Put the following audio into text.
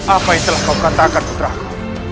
apa yang telah kau katakan putraku